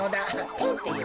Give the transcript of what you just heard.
ポンっていう。